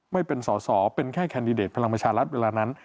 ไม่เป็นสอสอเป็นแค่แคนดิเดตพลังประชารัฐเวลานั้น